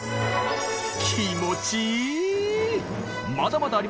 気持ちいい！